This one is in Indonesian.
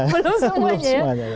belum semuanya ya